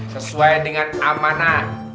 sesuai dengan amanah